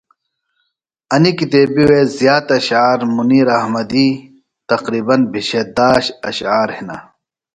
انیۡ کتیبی وے زیات اشعار منیر احمدی تقریبن بِھشے داش اشعار ہِنہ۔